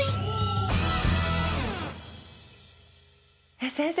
えっ先生